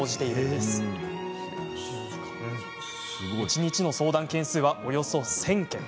一日の相談件数はおよそ１０００件。